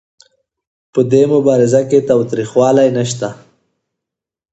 په دې مبارزه کې تاوتریخوالی نشته.